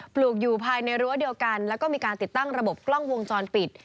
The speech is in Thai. ปลูกอยู่ภายในรั้วเดียวกันแล้วก็มีการติดตั้งระบบกล้องวงจรปิด